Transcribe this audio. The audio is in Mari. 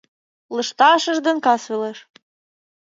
Лышташыж ден кас велеш